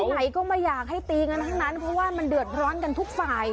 ไหนก็ไม่อยากให้ตีกันทั้งนั้นเพราะว่ามันเดือดร้อนกันทุกฝ่าย